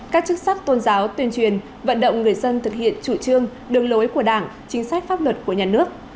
các chức sắc tôn giáo tuyên truyền vận động người dân thực hiện chủ trương đường lối của đảng chính sách pháp luật của nhà nước